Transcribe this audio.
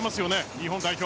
日本代表。